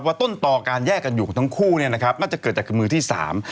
ว่าต้นตอการแยกกันอยู่ของทั้งคู่น่าจะเกิดจากมือที่สาม